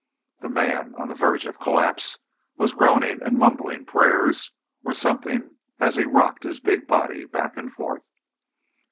The man, on the verge of collapse, was groaning and mumbling prayers, or something, as he rocked his big body back and forth.